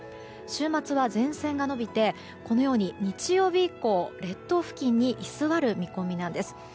週末は前線が延びて日曜日以降列島付近に居座る見込みなんです。